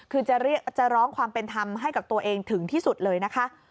คือจะร้องความเป็นธรรมให้กับตัวเองถึงที่สุดเลยนะคะ